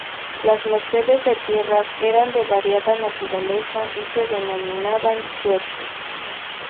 Las mercedes de tierras eran de variada naturaleza y se denominaban suertes.